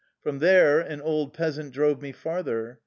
From there an old peasant drove me far ther.